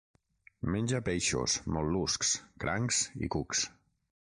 Menja peixos, mol·luscs, crancs i cucs.